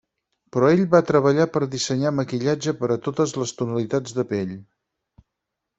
Però ell va treballar per dissenyar maquillatge per a totes les tonalitats de pell.